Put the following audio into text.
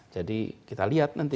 jadi kita lihat nanti